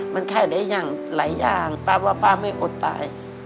มันขายได้อย่างหลายอย่างป้าว่าป้าไม่อดตาย